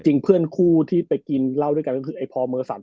จริงเพื่อนคู่ที่ไปกินเหร้าด้วยกันก็คือพอร์ม